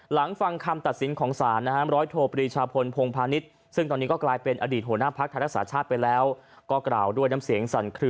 หลังฟังคำตัดสินของสารนะฮะร้อยโทบริชาพลพงภาณิชย์